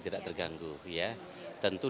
tidak terganggu ya tentu